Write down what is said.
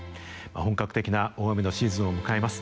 本格的な大雨のシーズンを迎えます。